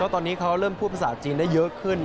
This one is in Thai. ตอนนี้เขาเริ่มพูดภาษาจีนได้เยอะขึ้น